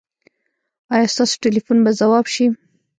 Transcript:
ایا ستاسو ټیلیفون به ځواب شي؟